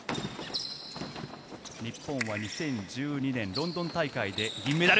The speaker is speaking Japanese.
日本は２０１２年ロンドン大会で銀メダル。